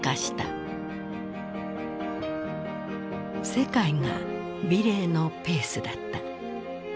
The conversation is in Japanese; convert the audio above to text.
世界が美齢のペースだった。